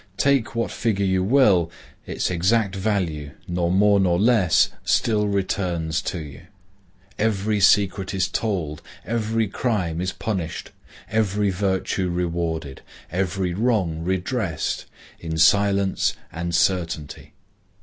Take what figure you will, its exact value, nor more nor less, still returns to you. Every secret is told, every crime is punished, every virtue rewarded, every wrong redressed, in silence and certainty.